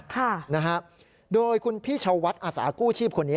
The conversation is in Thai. ค่ะนะฮะโดยคุณพี่ชาววัดอาสากู้ชีพคนนี้